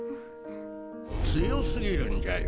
強すぎるんじゃよ。